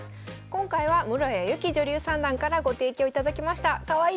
今回は室谷由紀女流三段からご提供いただきました。